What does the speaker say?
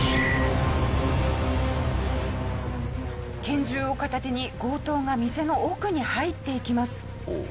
拳銃を片手に強盗が店の奥に入っていきます。